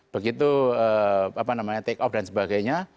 begitu take off dan sebagainya